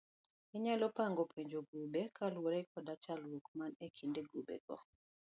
Inyalo pango penjo e grube kaluore koda chalruok man e kind grubego